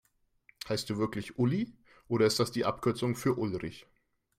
Heißt du wirklich Uli, oder ist das die Abkürzung für Ulrich?